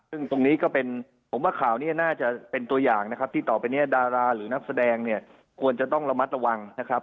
ซึ่งตรงนี้ก็เป็นผมว่าข่าวนี้น่าจะเป็นตัวอย่างนะครับที่ต่อไปเนี่ยดาราหรือนักแสดงเนี่ยควรจะต้องระมัดระวังนะครับ